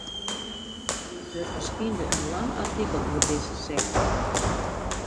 Der ferskynde in lang artikel oer dizze sekte.